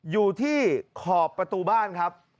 อยู่ที่ขอบประตูบ้านครับ